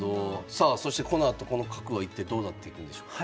さあそしてこのあとこの角は一体どうなっていくんでしょうか。